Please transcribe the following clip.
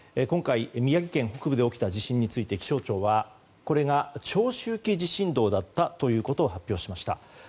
今回宮城県北部で起きた地震について気象庁は、これが長周期地震動だったということを発表しました。